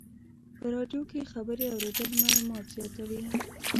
په رادیو کې خبرې اورېدل معلومات زیاتوي.